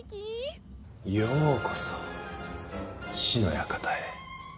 ようこそ死の館へ。